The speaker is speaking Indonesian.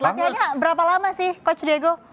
latihannya berapa lama sih coach diego